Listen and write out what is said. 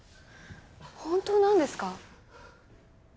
本当なんですか？